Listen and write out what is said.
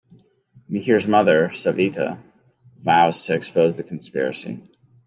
Mihir's mother, Savita, vows to expose the conspiracy.